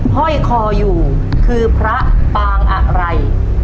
ห้อยคออยู่คือพระปางอะไร